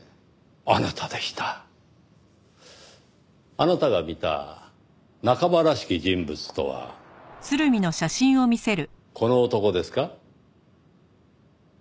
あなたが見た仲間らしき人物とはこの男ですか？